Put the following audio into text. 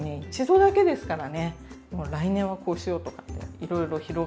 来年はこうしようとかっていろいろ広がりますよね。